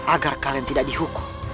agar kalian tidak dihukum